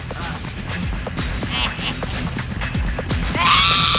kami berjanji lampir